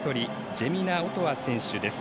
ジェミナ・オトア選手です。